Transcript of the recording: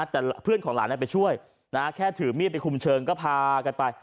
แต่เพื่อนของหลานไปช่วยแค่ถือมีดไปคุมเชิงก็พากันไป